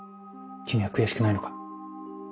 君は悔しくないのか？